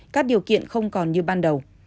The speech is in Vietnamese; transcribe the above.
các điều kiện không còn như ban đầu